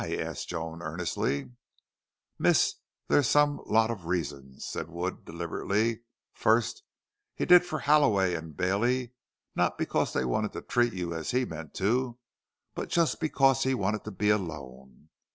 "Why?" asked Joan, earnestly. "Miss, there's some lot of reasons," said Wood, deliberately. "Fust, he did for Halloway an' Bailey, not because they wanted to treat you as he meant to, but just because he wanted to be alone.